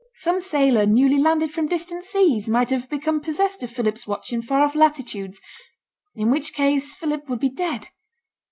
Some sailor newly landed from distant seas might have become possessed of Philip's watch in far off latitudes; in which case, Philip would be dead.